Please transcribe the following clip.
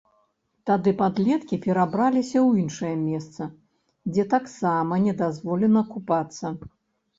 Тады падлеткі перабраліся ў іншае месца, дзе таксама не дазволена купацца.